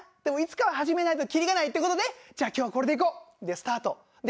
でもいつかは始めないときりがないって事でじゃあ今日はこれでいこう。でスタート。